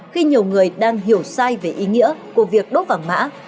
khi nhiều người đang hiểu sai về ý nghĩa của việc đốt vàng mã